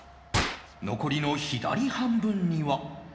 残りの左半分には